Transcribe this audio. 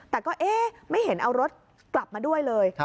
แต่ก็เอ๊ะไม่เห็นเอารถกลับมาด้วยเลย